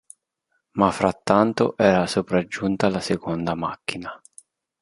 Ma frattanto era sopraggiunta la seconda macchina.